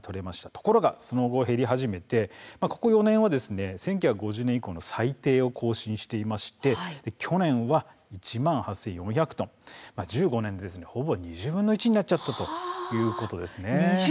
ところがその後、減り始めてここ４年間は、１９５０年以降の最低を更新していて去年は１万８４００トンと１５年で、ほぼ２０分の１になってしまいました。